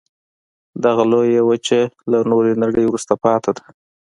دغه لویه وچه له نورې نړۍ وروسته پاتې ده.